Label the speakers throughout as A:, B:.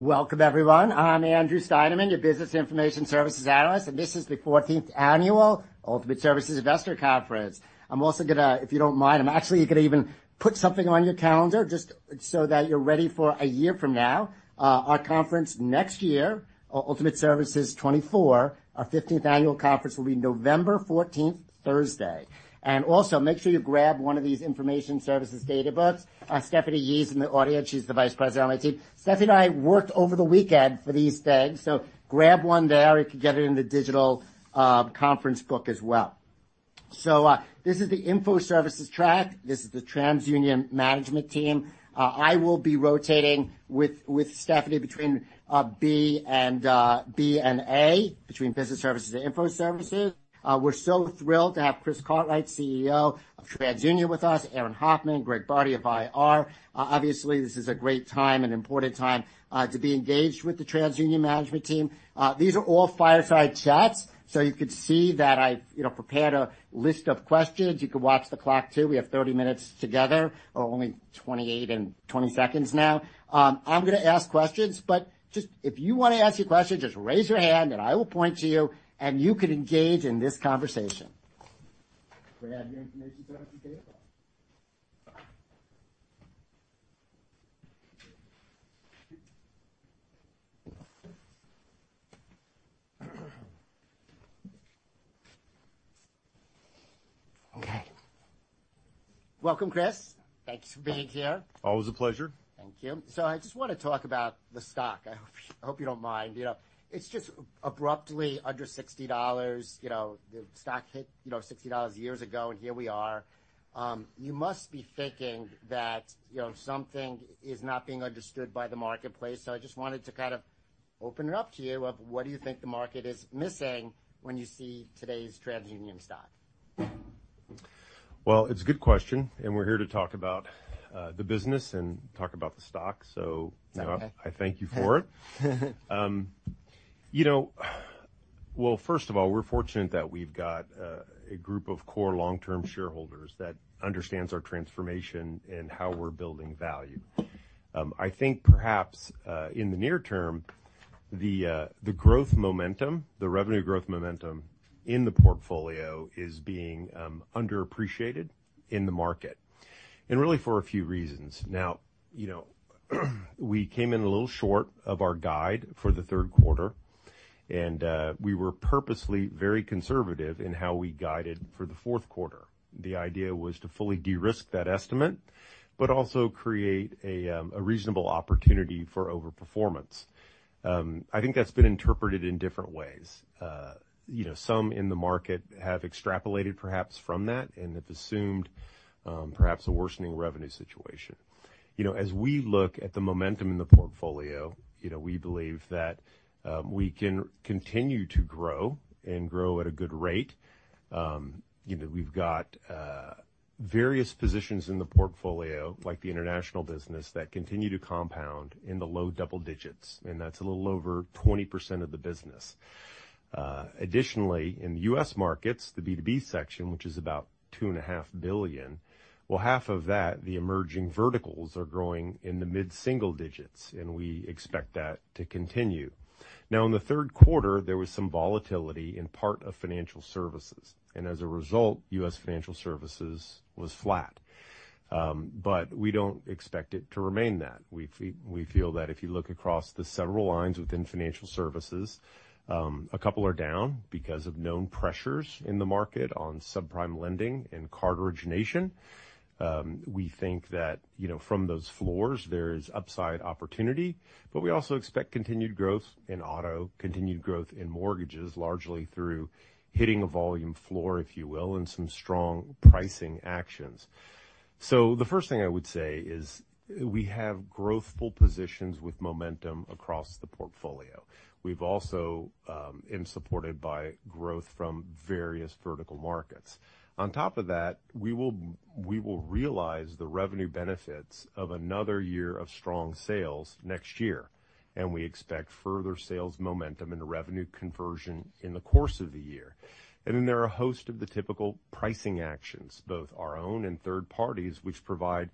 A: Welcome, everyone. I'm Andrew Steinerman, your Business Information Services Analyst, and this is the 14th Annual Ultimate Services Investor Conference. I'm also gonna, if you don't mind, I'm actually gonna even put something on your calendar just so that you're ready for a year from now. Our conference next year, Ultimate Services 2024, our 15th annual conference, will be November 14, Thursday. Also, make sure you grab one of these information services data books. Stephanie Yi's in the audience. She's the vice president on my team. Stephanie and I worked over the weekend for these things, so grab one there. You can get it in the digital conference book as well. So, this is the Info Services track. This is the TransUnion Management Team. I will be rotating with Stephanie between B and B and A, between Business Services and Info Services. We're so thrilled to have Chris Cartwright, CEO of TransUnion, with us, Aaron Hoffman, Greg Bardi of IR. Obviously, this is a great time and important time to be engaged with the TransUnion management team. These are all fireside chats, so you could see that I, you know, prepared a list of questions. You can watch the clock, too. We have 30 minutes together, or only 28 and 20 seconds now. I'm gonna ask questions, but just if you wanna ask a question, just raise your hand, and I will point to you, and you can engage in this conversation. Grab your information services data. Okay. Welcome, Jim. Thanks for being here.
B: Always a pleasure.
A: Thank you. So I just wanna talk about the stock. I hope, I hope you don't mind. You know, it's just abruptly under $60. You know, the stock hit, you know, $60 years ago, and here we are. You must be thinking that, you know, something is not being understood by the marketplace. So I just wanted to kind of open it up to you, of what do you think the market is missing when you see today's TransUnion stock?
B: Well, it's a good question, and we're here to talk about the business and talk about the stock, so-
A: Okay.
B: I thank you for it. You know, well, first of all, we're fortunate that we've got a group of core long-term shareholders that understands our transformation and how we're building value. I think perhaps in the near term, the growth momentum, the revenue growth momentum in the portfolio is being underappreciated in the market, and really for a few reasons. Now, you know, we came in a little short of our guide for the third quarter, and we were purposely very conservative in how we guided for the fourth quarter. The idea was to fully de-risk that estimate, but also create a reasonable opportunity for overperformance. I think that's been interpreted in different ways. You know, some in the market have extrapolated, perhaps, from that, and have assumed perhaps a worsening revenue situation. You know, as we look at the momentum in the portfolio, you know, we believe that we can continue to grow and grow at a good rate. You know, we've got various positions in the portfolio, like the international business, that continue to compound in the low double digits, and that's a little over 20% of the business. Additionally, in the U.S. markets, the B2B section, which is about $2.5 billion, well, half of that, the emerging verticals are growing in the mid-single digits, and we expect that to continue. Now, in the third quarter, there was some volatility in part of financial services, and as a result, U.S. Financial Services was flat. But we don't expect it to remain that. We feel that if you look across the several lines within financial services, a couple are down because of known pressures in the market on subprime lending and card origination. We think that, you know, from those floors, there is upside opportunity, but we also expect continued growth in auto, continued growth in mortgages, largely through hitting a volume floor, if you will, and some strong pricing actions. So the first thing I would say is we have growthful positions with momentum across the portfolio. We've also and supported by growth from various vertical markets. On top of that, we will realize the revenue benefits of another year of strong sales next year, and we expect further sales momentum and revenue conversion in the course of the year. And then there are a host of the typical pricing actions, both our own and third parties, which provide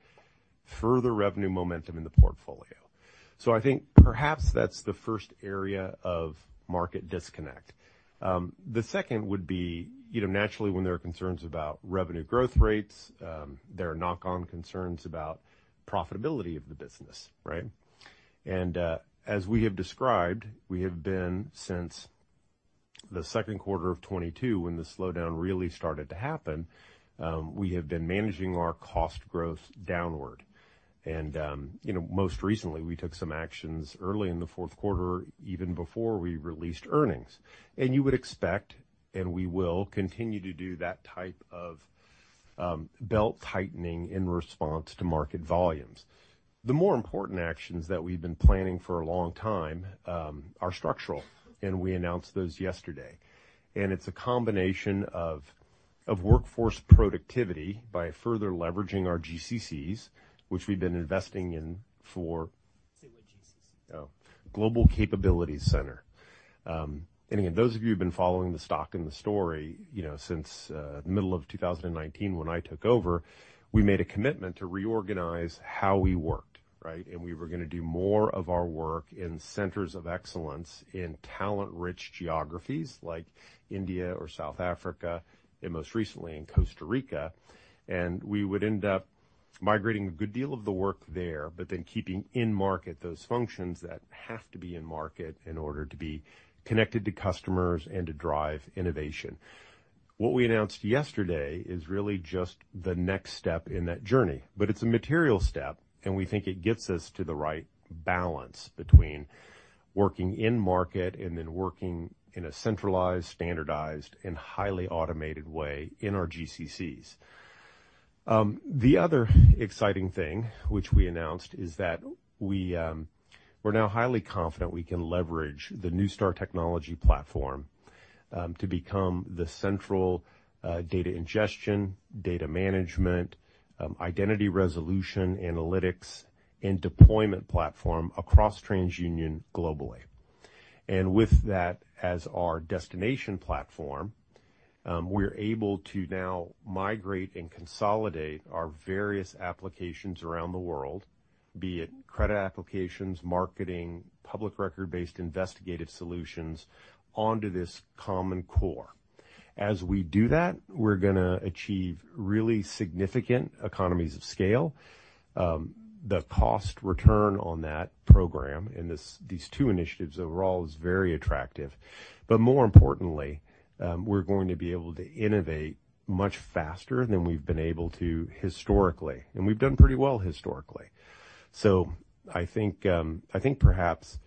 B: further revenue momentum in the portfolio. So I think perhaps that's the first area of market disconnect. The second would be, you know, naturally, when there are concerns about revenue growth rates, there are knock-on concerns about profitability of the business, right? And, as we have described, we have been, since the second quarter of 2022, when the slowdown really started to happen, we have been managing our cost growth downward. And, you know, most recently, we took some actions early in the fourth quarter, even before we released earnings. And you would expect, and we will, continue to do that type of, belt-tightening in response to market volumes. The more important actions that we've been planning for a long time are structural, and we announced those yesterday. It's a combination of workforce productivity by further leveraging our GCCs, which we've been investing in for-
A: Say what GCC?...
B: Oh, Global Capability Center. And again, those of you who've been following the stock and the story, you know, since the middle of 2019, when I took over, we made a commitment to reorganize how we worked, right? And we were gonna do more of our work in centers of excellence in talent-rich geographies like India or South Africa, and most recently in Costa Rica. And we would end up migrating a good deal of the work there, but then keeping in market those functions that have to be in market in order to be connected to customers and to drive innovation. What we announced yesterday is really just the next step in that journey, but it's a material step, and we think it gets us to the right balance between working in market and then working in a centralized, standardized, and highly automated way in our GCCs. The other exciting thing which we announced is that we're now highly confident we can leverage the Neustar Technology platform to become the central data ingestion, data management, identity resolution, analytics, and deployment platform across TransUnion globally. With that as our destination platform, we're able to now migrate and consolidate our various applications around the world, be it credit applications, marketing, public record-based investigative solutions, onto this common core. As we do that, we're gonna achieve really significant economies of scale. The cost return on that program in these two initiatives overall is very attractive. But more importantly, we're going to be able to innovate much faster than we've been able to historically, and we've done pretty well historically. So I think, I think perhaps,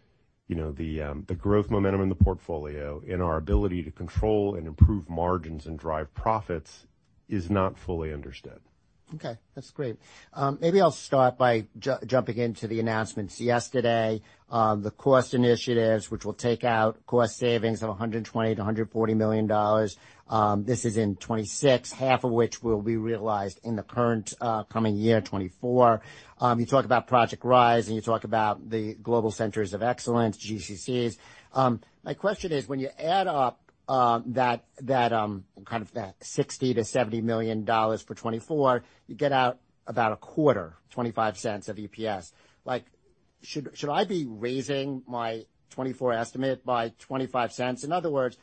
B: you know, the growth momentum in the portfolio, in our ability to control and improve margins and drive profits is not fully understood.
A: Okay, that's great. Maybe I'll start by jumping into the announcements. Yesterday, the cost initiatives, which will take out cost savings of $120 million-$140 million, this is in 2026, half of which will be realized in the current, coming year, 2024. You talk about Project Rise, and you talk about the Global Centers of Excellence, GCCs. My question is, when you add up, that, that, kind of the $60 million-$70 million for 2024, you get out about a quarter, $0.25 of EPS. Like, should, should I be raising my 2024 estimate by $0.25? In other words,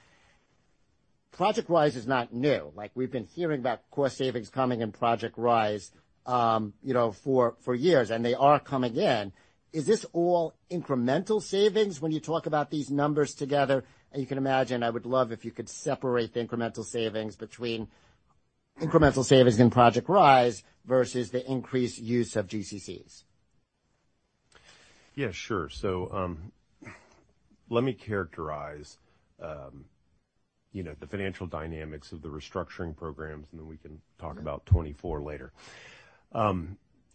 A: Project Rise is not new. Like, we've been hearing about cost savings coming in Project Rise, you know, for, for years, and they are coming in. Is this all incremental savings when you talk about these numbers together? You can imagine, I would love if you could separate the incremental savings between incremental savings in Project Rise versus the increased use of GCCs.
B: Yeah, sure. So, let me characterize, you know, the financial dynamics of the restructuring programs, and then we can talk about 2024 later.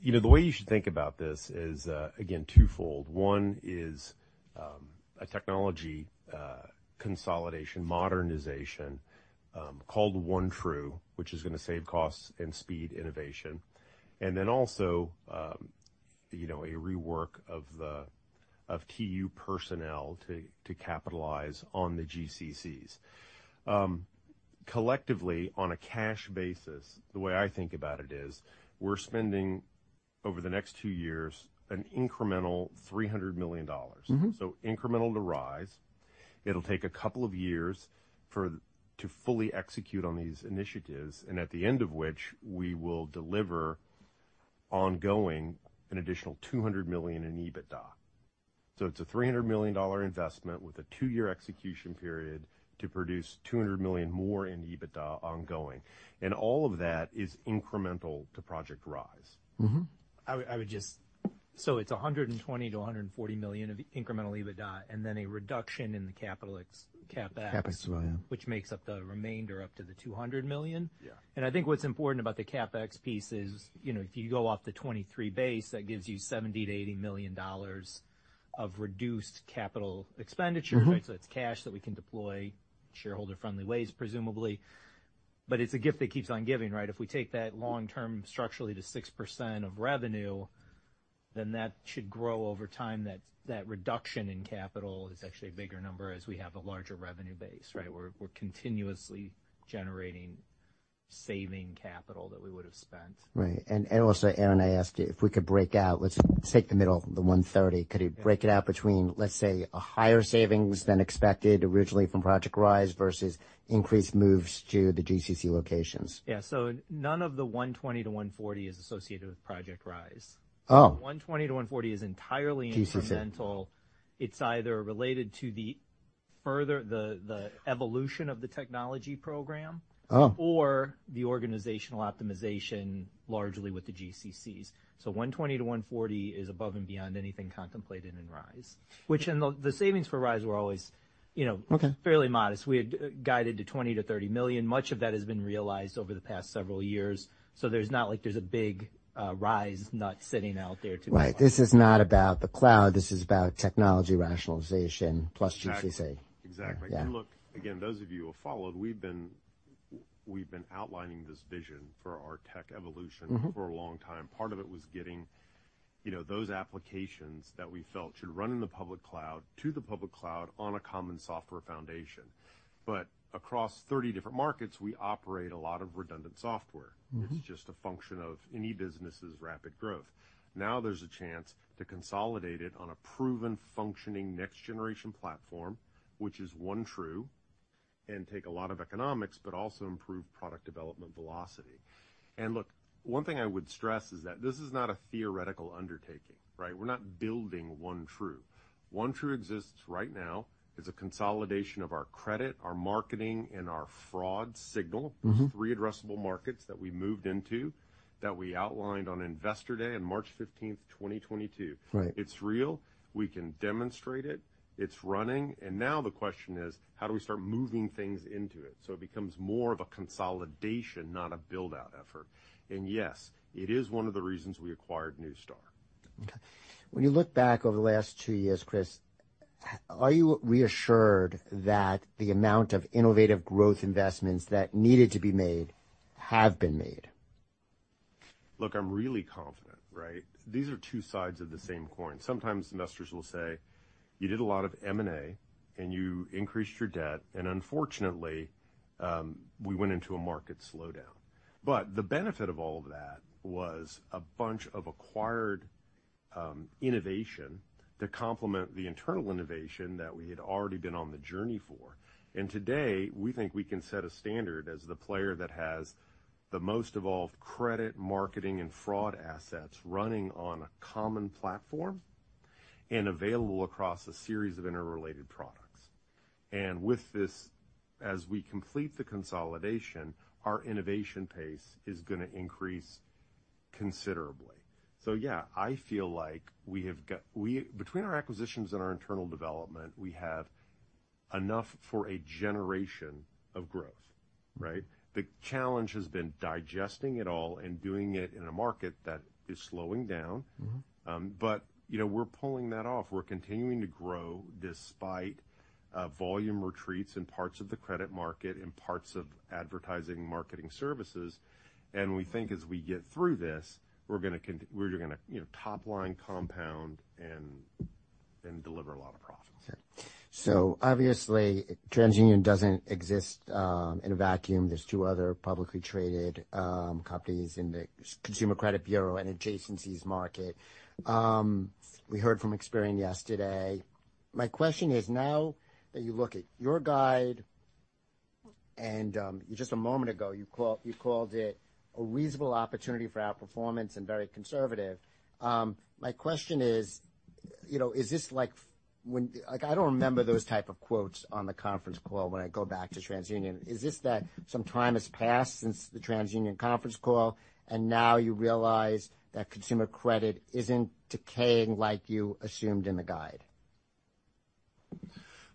B: You know, the way you should think about this is, again, twofold. One is, a technology, consolidation, modernization, called OneTru, which is gonna save costs and speed innovation. And then also, you know, a rework of the, of TU personnel to, to capitalize on the GCCs. Collectively, on a cash basis, the way I think about it is, we're spending over the next two years, an incremental $300 million. Incremental to Rise. It'll take a couple of years to fully execute on these initiatives, and at the end of which, we will deliver ongoing an additional $200 million in EBITDA. So it's a $300 million investment with a two-year execution period to produce $200 million more in EBITDA ongoing. And all of that is incremental to Project Rise.
C: I would just... So it's $120 million-$140 million of incremental EBITDA, and then a reduction in the CapEx-
A: CapEx, yeah.
C: -which makes up the remainder up to the $200 million?
B: Yeah.
C: I think what's important about the CapEx piece is, you know, if you go off the 2023 base, that gives you $70 million-$80 million of reduced CapEx. Right? So it's cash that we can deploy, shareholder-friendly ways, presumably. But it's a gift that keeps on giving, right? If we take that long term structurally to 6% of revenue, then that should grow over time. That reduction in capital is actually a bigger number as we have a larger revenue base, right? We're continuously generating saving capital that we would have spent.
A: Right. And also, Aaron, I ask you if we could break out, let's take the middle, the 130. Could you break it out between, let's say, a higher savings than expected originally from Project Rise versus increased moves to the GCC locations?
C: Yeah. So none of the 120-140 is associated with Project Rise.
A: Oh.
C: 1:20 to 1:40 is entirely-
A: GCC.
C: incremental. It's either related to the further—the evolution of the technology program.
A: Oh.
C: for the organizational optimization, largely with the GCCs. So $120-$140 is above and beyond anything contemplated in Rise, which the savings for Rise were always, you know-
A: Okay.
C: fairly modest. We had guided to $20 million-$30 million. Much of that has been realized over the past several years, so there's not like there's a big, Rise nut sitting out there to-
A: Right. This is not about the cloud, this is about technology rationalization plus GCC.
B: Exactly. Yeah. If you look... Again, those of you who followed, we've been outlining this vision for our tech evolution- for a long time. Part of it was getting, you know, those applications that we felt should run in the public cloud to the public cloud on a common software foundation. But across 30 different markets, we operate a lot of redundant software. It's just a function of any business's rapid growth. Now there's a chance to consolidate it on a proven, functioning, next-generation platform, which is OneTru, and take a lot of economics, but also improve product development velocity. And look, one thing I would stress is that this is not a theoretical undertaking, right? We're not building OneTru. OneTru exists right now. It's a consolidation of our credit, our marketing, and our fraud signal- those three addressable markets that we moved into, that we outlined on Investor Day on March 15th, 2022.
A: Right.
B: It's real. We can demonstrate it. It's running. Now the question is: how do we start moving things into it so it becomes more of a consolidation, not a build-out effort? Yes, it is one of the reasons we acquired Neustar.
A: Okay. When you look back over the last two years, Chris, are you reassured that the amount of innovative growth investments that needed to be made have been made?
B: Look, I'm really confident, right? These are two sides of the same coin. Sometimes investors will say, "You did a lot of M&A, and you increased your debt," and unfortunately, we went into a market slowdown. But the benefit of all of that was a bunch of acquired innovation to complement the internal innovation that we had already been on the journey for. And today, we think we can set a standard as the player that has the most evolved credit, marketing, and fraud assets running on a common platform and available across a series of interrelated products. And with this, as we complete the consolidation, our innovation pace is gonna increase considerably. So yeah, I feel like we have got between our acquisitions and our internal development, we have enough for a generation of growth, right? The challenge has been digesting it all and doing it in a market that is slowing down. But, you know, we're pulling that off. We're continuing to grow despite volume retreats in parts of the credit market and parts of advertising and marketing services. And we think as we get through this, we're gonna, you know, top-line compound and deliver a lot of profits.
A: So obviously, TransUnion doesn't exist in a vacuum. There's two other publicly traded companies in the consumer credit bureau and adjacencies market. We heard from Experian yesterday. My question is, now that you look at your guide and, just a moment ago, you called it a reasonable opportunity for outperformance and very conservative. My question is, you know, is this like when... Like, I don't remember those type of quotes on the conference call when I go back to TransUnion. Is this that some time has passed since the TransUnion conference call, and now you realize that consumer credit isn't decaying like you assumed in the guide?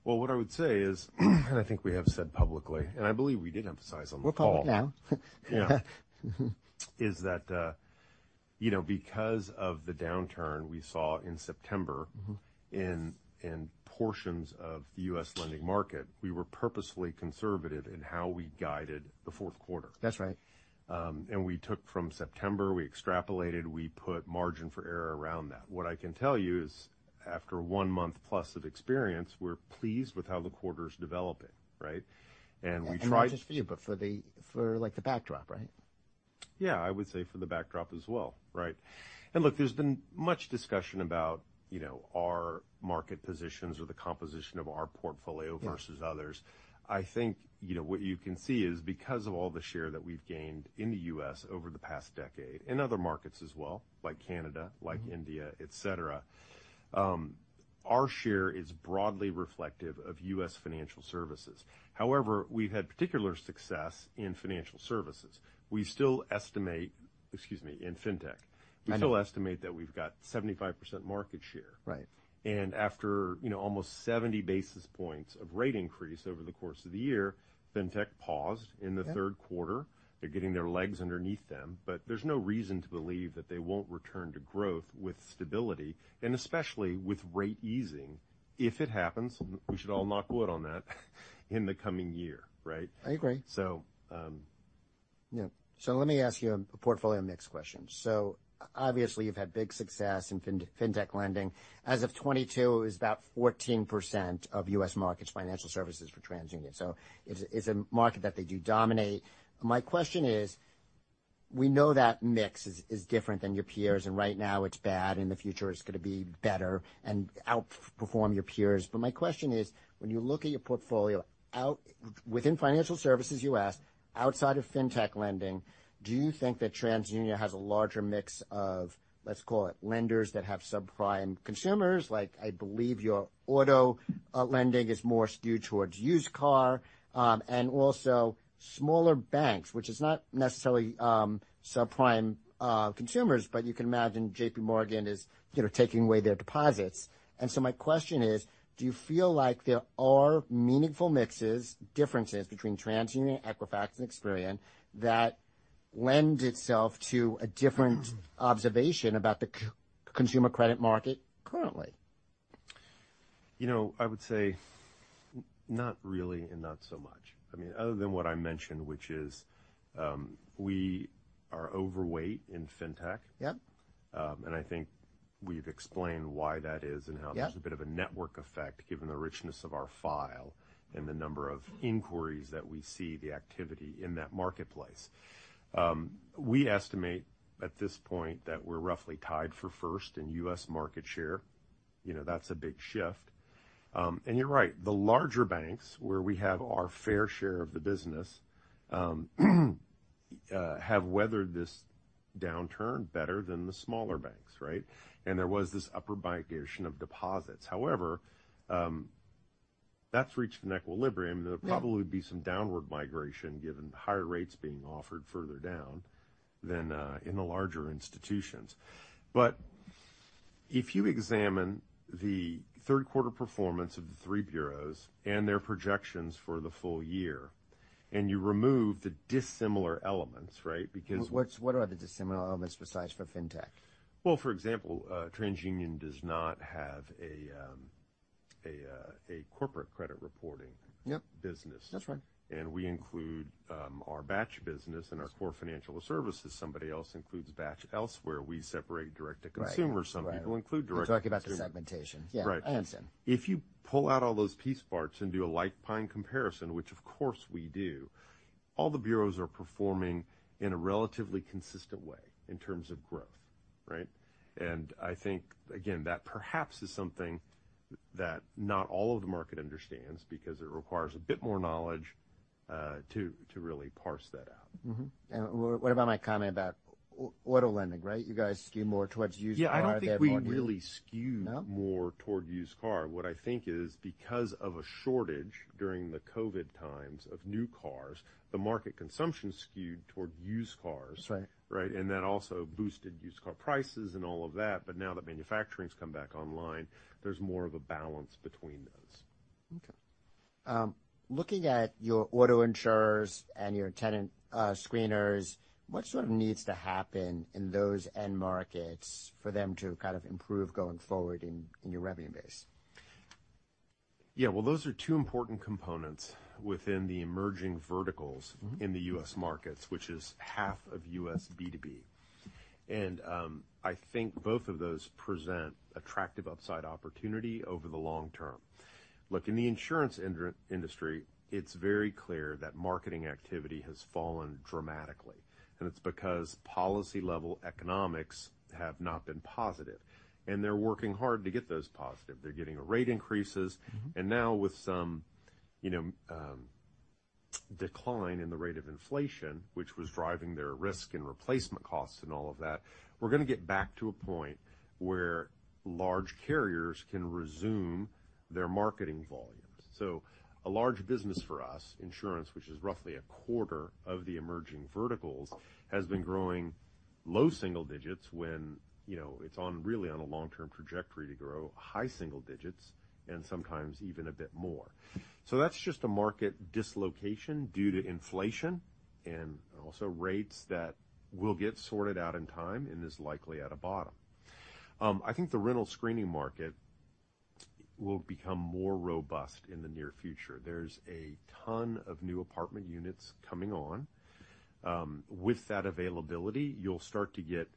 B: Well, what I would say is, and I think we have said publicly, and I believe we did emphasize on the call-
A: We're public now.
B: Yeah. Is that, you know, because of the downturn we saw in September-... in portions of the U.S. lending market, we were purposefully conservative in how we guided the fourth quarter.
A: That's right.
B: We took from September, we extrapolated, we put margin for error around that. What I can tell you is, after one month plus of experience, we're pleased with how the quarter's developing, right? And we tried-
A: Not just for you, but for the, like, the backdrop, right?
B: Yeah, I would say for the backdrop as well, right. And look, there's been much discussion about, you know, our market positions or the composition of our portfolio-
A: Yeah...
B: versus others. I think, you know, what you can see is because of all the share that we've gained in the U.S. over the past decade, in other markets as well, like Canada- -like India, et cetera, our share is broadly reflective of U.S. financial services. However, we've had particular success in financial services. We still estimate... Excuse me, in fintech.
A: Right.
B: We still estimate that we've got 75% market share.
A: Right.
B: After, you know, almost 70 basis points of rate increase over the course of the year, Fintech paused in the third quarter.
A: Yeah.
B: They're getting their legs underneath them, but there's no reason to believe that they won't return to growth with stability, and especially with rate easing, if it happens, we should all knock wood on that, in the coming year, right?
A: I agree.
B: So, um-
A: Yeah. So let me ask you a portfolio mix question. So obviously, you've had big success in fintech lending. As of 2022, it was about 14% of U.S. markets, financial services for TransUnion, so it's a market that they do dominate. My question is: we know that mix is different than your peers, and right now it's bad, in the future, it's gonna be better and outperform your peers. But my question is, when you look at your portfolio within financial services U.S., outside of fintech lending, do you think that TransUnion has a larger mix of, let's call it, lenders that have subprime consumers? Like, I believe your auto lending is more skewed towards used car, and also smaller banks, which is not necessarily subprime consumers, but you can imagine JPMorgan is, you know, taking away their deposits. So my question is: do you feel like there are meaningful mixes, differences between TransUnion, Equifax, and Experian, that lend itself to a different observation about the consumer credit market currently?...
B: You know, I would say not really, and not so much. I mean, other than what I mentioned, which is, we are overweight in Fintech.
A: Yep.
B: And I think we've explained why that is-
A: Yep.
B: And how there's a bit of a network effect, given the richness of our file and the number of inquiries that we see the activity in that marketplace. We estimate at this point that we're roughly tied for first in U.S. market share. You know, that's a big shift. And you're right, the larger banks, where we have our fair share of the business, have weathered this downturn better than the smaller banks, right? And there was this upper migration of deposits. However, that's reached an equilibrium.
A: Yeah.
B: There'll probably be some downward migration, given the higher rates being offered further down than in the larger institutions. But if you examine the third quarter performance of the three bureaus and their projections for the full year, and you remove the dissimilar elements, right? Because-
A: What are the dissimilar elements besides for fintech?
B: Well, for example, TransUnion does not have a corporate credit reporting-
A: Yep.
B: -business.
A: That's right.
B: We include our batch business and our core financial services. Somebody else includes batch elsewhere. We separate direct-to-consumer.
A: Right.
B: Some people include direct to-
A: You're talking about the segmentation.
B: Right.
A: Yeah. I understand.
B: If you pull out all those piece parts and do a like-for-like comparison, which of course we do, all the bureaus are performing in a relatively consistent way in terms of growth, right? And I think, again, that perhaps is something that not all of the market understands, because it requires a bit more knowledge to really parse that out.
A: Mm-hmm. And what about my comment about auto lending, right? You guys skew more towards used car, that point where you-
B: Yeah, I don't think we really skew-
A: No?
B: more toward used car. What I think is because of a shortage during the COVID times of new cars, the market consumption skewed toward used cars.
A: That's right.
B: Right? And that also boosted used car prices and all of that, but now that manufacturing's come back online, there's more of a balance between those.
A: Okay. Looking at your auto insurers and your tenant screeners, what sort of needs to happen in those end markets for them to kind of improve going forward in your revenue base?
B: Yeah, well, those are two important components within the emerging verticals-
A: Mm-hmm.
B: in the U.S. markets, which is half of U.S. B2B. And, I think both of those present attractive upside opportunity over the long term. Look, in the insurance industry, it's very clear that marketing activity has fallen dramatically, and it's because policy-level economics have not been positive, and they're working hard to get those positive. They're getting rate increases.
A: Mm-hmm.
B: Now, with some, you know, decline in the rate of inflation, which was driving their risk and replacement costs and all of that, we're going to get back to a point where large carriers can resume their marketing volumes. So a large business for us, insurance, which is roughly a quarter of the emerging verticals, has been growing low single digits when, you know, it's really on a long-term trajectory to grow high single digits and sometimes even a bit more. So that's just a market dislocation due to inflation and also rates that will get sorted out in time and is likely at a bottom. I think the rental screening market will become more robust in the near future. There's a ton of new apartment units coming on. With that availability, you'll start to get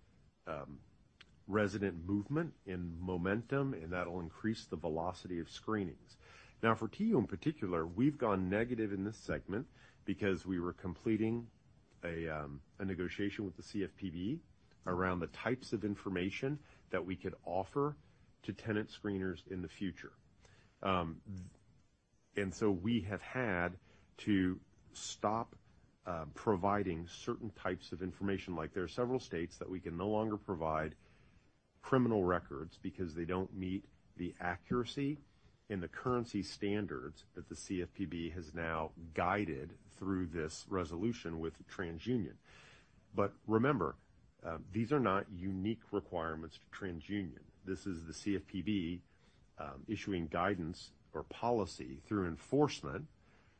B: resident movement and momentum, and that'll increase the velocity of screenings. Now, for TIO in particular, we've gone negative in this segment because we were completing a negotiation with the CFPB around the types of information that we could offer to tenant screeners in the future. And so we have had to stop providing certain types of information. Like, there are several states that we can no longer provide criminal records because they don't meet the accuracy and the currency standards that the CFPB has now guided through this resolution with TransUnion. But remember, these are not unique requirements to TransUnion. This is the CFPB issuing guidance or policy through enforcement,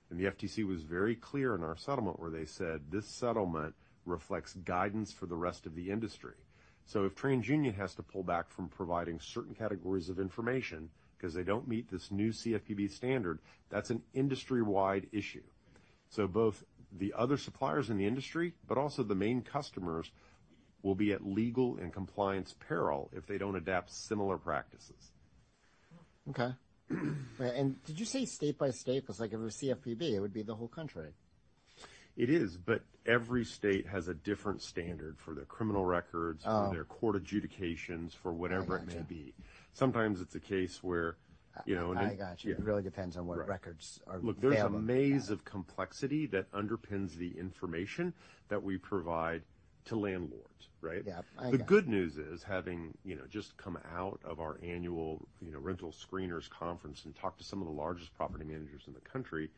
B: and the FTC was very clear in our settlement, where they said: "This settlement reflects guidance for the rest of the industry." So if TransUnion has to pull back from providing certain categories of information because they don't meet this new CFPB standard, that's an industry-wide issue. So both the other suppliers in the industry, but also the main customers, will be at legal and compliance peril if they don't adapt similar practices.
A: Okay. And did you say state by state? Because like, if it was CFPB, it would be the whole country.
B: It is, but every state has a different standard for their criminal records-
A: Oh.
B: -for their court adjudications, for whatever it may be.
A: I got you.
B: Sometimes it's a case where, you know-
A: I got you.
B: Yeah.
A: It really depends on what records are available.
B: Look, there's a maze of complexity that underpins the information that we provide to landlords, right?
A: Yeah. I got you.
B: The good news is, having, you know, just come out of our annual, you know, rental screeners conference and talked to some of the largest property managers in the country,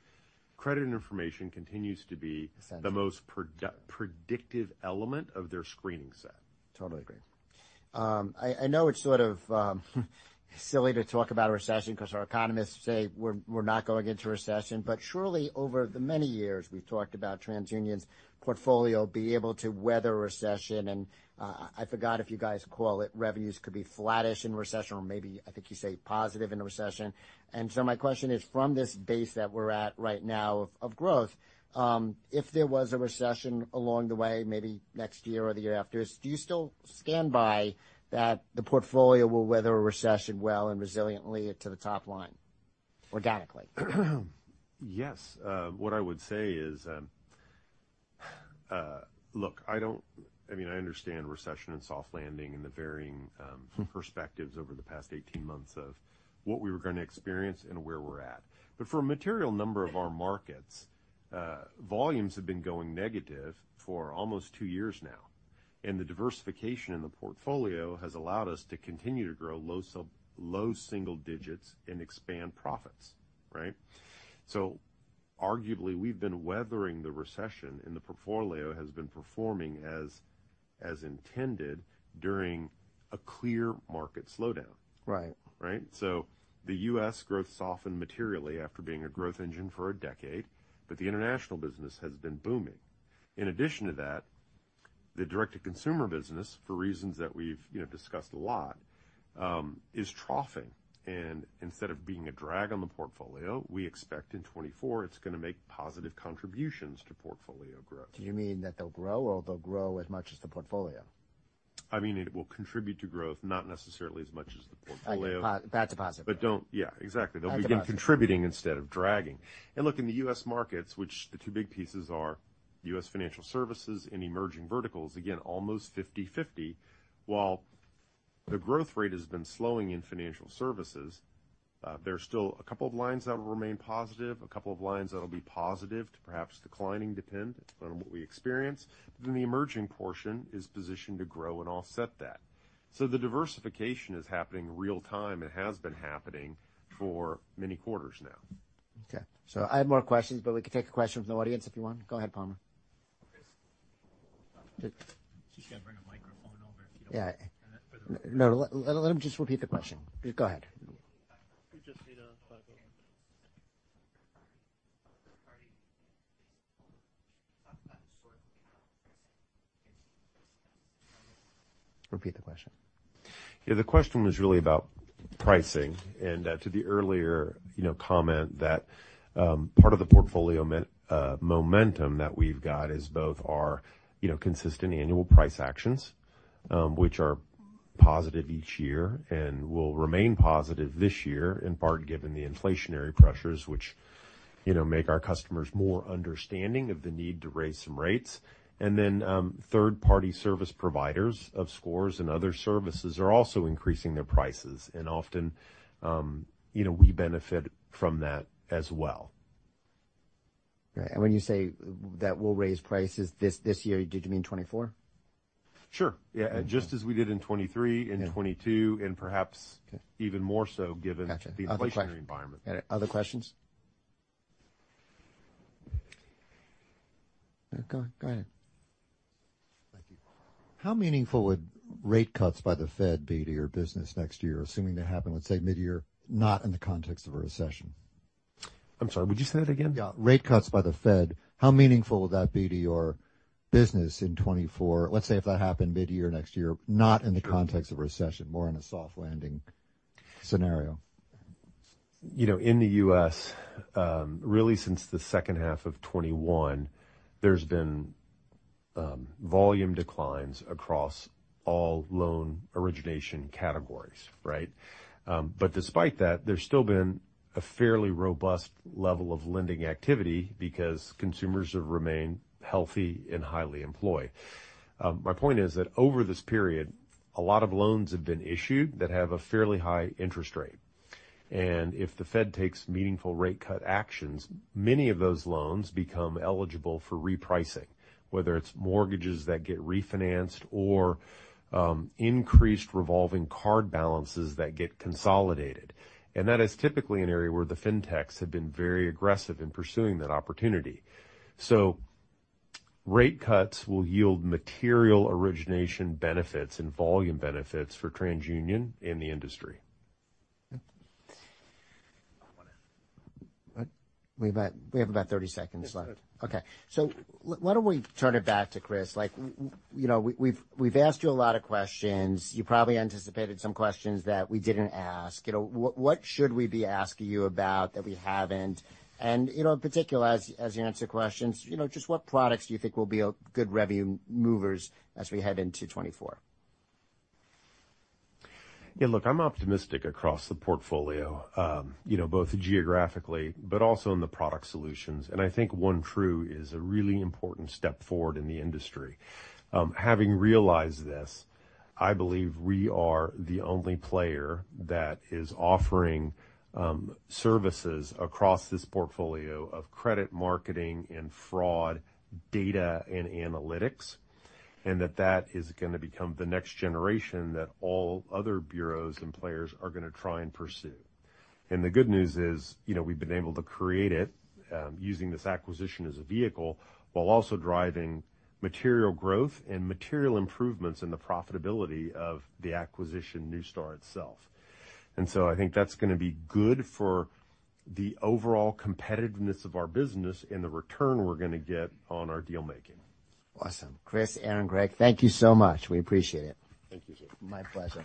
B: credit information continues to be-
A: Essential...
B: the most predictive element of their screening set.
A: Totally agree. I know it's sort of silly to talk about a recession because our economists say we're not going into a recession. But surely, over the many years we've talked about TransUnion's portfolio being able to weather a recession, and I forgot, if you guys call it, revenues could be flattish in recession or maybe, I think you say, positive in a recession. And so my question is, from this base that we're at right now of growth, if there was a recession along the way, maybe next year or the year after, do you still stand by that the portfolio will weather a recession well and resiliently to the top line, organically?
B: Yes. What I would say is, look, I don't—I mean, I understand recession and soft landing and the varying perspectives over the past 18 months of what we were gonna experience and where we're at. But for a material number of our markets, volumes have been going negative for almost two years now, and the diversification in the portfolio has allowed us to continue to grow low single digits and expand profits, right? So arguably, we've been weathering the recession, and the portfolio has been performing as intended during a clear market slowdown.
A: Right.
B: Right? So the U.S. growth softened materially after being a growth engine for a decade, but the international business has been booming. In addition to that, the direct-to-consumer business, for reasons that we've, you know, discussed a lot, is troughing. Instead of being a drag on the portfolio, we expect in 2024, it's gonna make positive contributions to portfolio growth.
A: Do you mean that they'll grow, or they'll grow as much as the portfolio?
B: I mean, it will contribute to growth, not necessarily as much as the portfolio.
A: Back to positive.
B: But don't... Yeah, exactly.
A: Positive.
B: They'll be contributing instead of dragging. And look, in the U.S. markets, which the two big pieces are U.S. financial services and emerging verticals, again, almost 50/50. While the growth rate has been slowing in financial services, there's still a couple of lines that will remain positive, a couple of lines that'll be positive to perhaps declining, depend on what we experience. Then the emerging portion is positioned to grow and offset that. So the diversification is happening real time and has been happening for many quarters now.
A: Okay, so I have more questions, but we can take a question from the audience if you want. Go ahead, Palmer.
D: Just going to bring a microphone over if you don't-
A: Yeah.
D: For the-
A: No, let him just repeat the question. Go ahead.
D: We just need a microphone.
A: Repeat the question.
B: Yeah, the question was really about pricing and to the earlier, you know, comment that part of the portfolio momentum that we've got is both our, you know, consistent annual price actions, which are positive each year and will remain positive this year, in part, given the inflationary pressures, which, you know, make our customers more understanding of the need to raise some rates. And then, third-party service providers of scores and other services are also increasing their prices, and often, you know, we benefit from that as well.
A: Okay. And when you say that we'll raise prices this, this year, did you mean 2024?
B: Sure. Yeah, just as we did in 2023-
A: Yeah.
B: and 2022, and perhaps
A: Okay.
B: even more so given
A: Got you.
B: the inflationary environment.
A: Other questions? Okay, go ahead.
D: Thank you. How meaningful would rate cuts by the Fed be to your business next year, assuming they happen, let's say, midyear, not in the context of a recession?
B: I'm sorry, would you say that again?
D: Yeah. Rate cuts by the Fed, how meaningful would that be to your business in 2024? Let's say, if that happened midyear next year, not in the context of a recession, more in a soft landing scenario.
B: You know, in the U.S., really, since the second half of 2021, there's been volume declines across all loan origination categories, right? But despite that, there's still been a fairly robust level of lending activity because consumers have remained healthy and highly employed. My point is that over this period, a lot of loans have been issued that have a fairly high interest rate, and if the Fed takes meaningful rate cut actions, many of those loans become eligible for repricing, whether it's mortgages that get refinanced or increased revolving card balances that get consolidated. And that is typically an area where the Fintechs have been very aggressive in pursuing that opportunity. So rate cuts will yield material origination benefits and volume benefits for TransUnion in the industry.
A: We have about 30 seconds left.
D: Yes, sir.
A: Okay, so why don't we turn it back to Chris? Like, you know, we've asked you a lot of questions. You probably anticipated some questions that we didn't ask. You know, what should we be asking you about that we haven't? And, you know, in particular, as you answer questions, you know, just what products do you think will be good revenue movers as we head into 2024?
B: Yeah, look, I'm optimistic across the portfolio, you know, both geographically but also in the product solutions. And I think OneTru is a really important step forward in the industry. Having realized this, I believe we are the only player that is offering services across this portfolio of credit, marketing, and fraud, data and analytics, and that that is gonna become the next generation that all other bureaus and players are gonna try and pursue. And the good news is, you know, we've been able to create it using this acquisition as a vehicle, while also driving material growth and material improvements in the profitability of the acquisition, Neustar itself. And so I think that's gonna be good for the overall competitiveness of our business and the return we're gonna get on our deal making.
A: Awesome. Chris, Andrew, Greg, thank you so much. We appreciate it.
D: Thank you.
A: My pleasure.